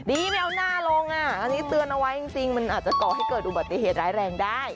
ไม่เอาหน้าลงอ่ะอันนี้เตือนเอาไว้จริงมันอาจจะก่อให้เกิดอุบัติเหตุร้ายแรงได้